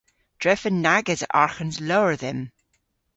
Drefen nag esa arghans lowr dhymm.